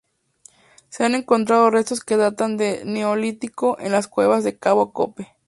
Se han encontrado restos que datan del Neolítico en las cuevas de Cabo Cope.